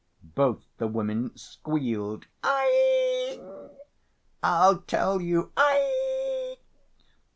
Both the women squealed. "Aie! I'll tell you. Aie!